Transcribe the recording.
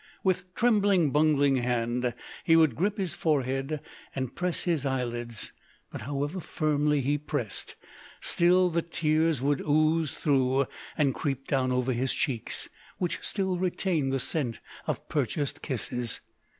With trembling, bungling hand he would grip his forehead, and press his eyelids, but however firmly he pressed, still the tears would ooze through, and creep down over his cheeks, which still retained the scent of purchased kisses.